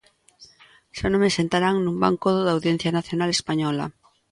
Xa non me sentarán nun banco da Audiencia Nacional española.